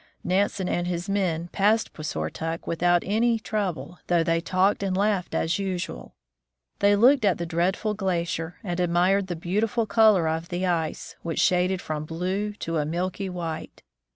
Nansen and his men passed Puisortok without any trouble, though they talked and laughed as usual. They looked at the dreaded glacier, and admired the beautiful color of the ice, which shaded from blue to a milky white.